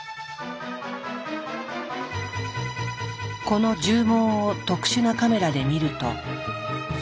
この絨毛を特殊なカメラで見ると。